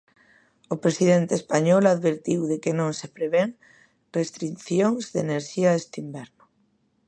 O presidente español advertiu de que non se prevén restricións de enerxía este inverno.